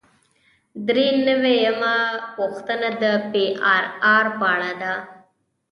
درې نوي یمه پوښتنه د پی آر آر په اړه ده.